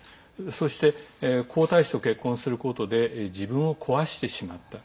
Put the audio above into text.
そして、皇太子と結婚することで自分を壊してしまった。